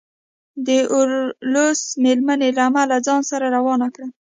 د اوولس مېرمنو رمه له ځان سره روانه کړه.